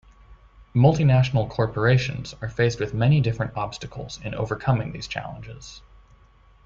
Multinational Corporations are faced with many different obstacles in overcoming these challenges.